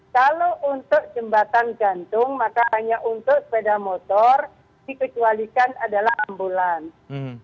kalau untuk jembatan gantung maka hanya untuk sepeda motor dikecualikan adalah ambulans